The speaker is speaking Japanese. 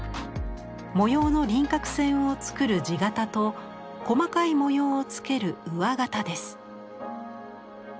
模様の輪郭線を作る地形と細かい模様をつける上形です。